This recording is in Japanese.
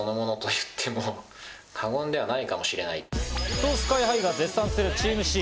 と、ＳＫＹ−ＨＩが絶賛するチームＣ。